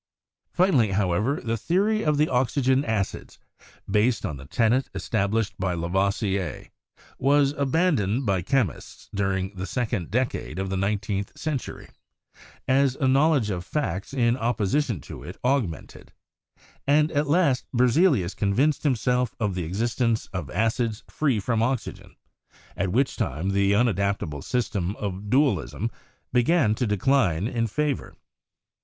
Finally, however, the theory of the oxygen acids, based on the tenet established by Lavoisier, was abandoned by chemists during the second decade of the nineteenth cen tury, as a knowledge of facts in opposition to it aug mented, and at last Berzelius convinced himself of the existence of acids free from oxygen, at which time the unadaptable system of dualism began to decline in favor.